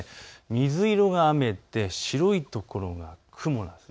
水色が雨で白いところが雲なんです。